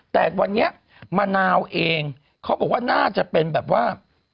แต่วันนี้มะนาวเองเขาบอกว่าน่าจะเป็นแบบว่า